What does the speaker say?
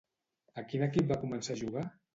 A quin equip va començar a jugar?